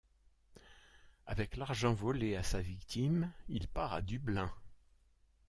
Avec l'argent volé à sa victime, il part à Dublin.